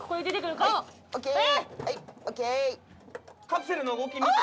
「カプセルの動き見て」